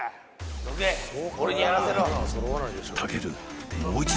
どけっ俺にやらせろいけ！